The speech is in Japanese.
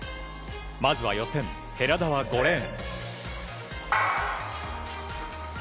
まずは予選、寺田は５レーン。